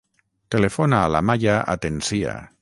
Telefona a la Maya Atencia.